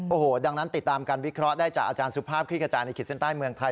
โอ้โหดังนั้นติดตามการวิเคราะห์ได้จากอาจารย์สุภาพคลิกกระจายในขีดเส้นใต้เมืองไทย